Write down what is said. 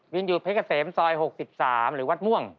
อยู่เพชรเกษมซอย๖๓หรือวัดม่วง